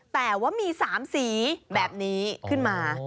แต่ว่ามี๓สีแบบนี้ขึ้นมา